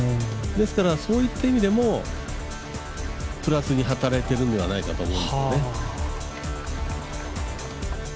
ですからそういった意味でもプラスに働いているんではないかと思うんですよね。